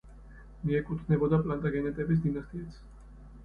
მიეკუთვნებოდა პლანტაგენეტების დინასტიას.